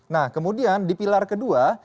nah kemudian di pilar kedua